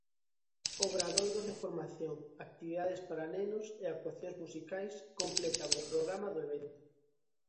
Obradoiros de formación, actividades para nenos e actuacións musicais completan o programa do evento.